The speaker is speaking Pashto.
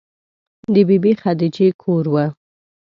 د بې بي خدیجې کور و.